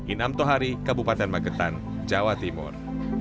inam tohari kabupaten magetan jawa timur